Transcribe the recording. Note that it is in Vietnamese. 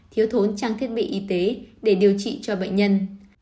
thiếu thốn trang thiết bị y tế để điều trị cho bệnh nhân